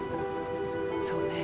そうね。